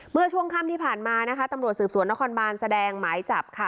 เมื่อช่วงค่ำที่ผ่านมานะคะตำรวจสืบสวนนครบานแสดงหมายจับค่ะ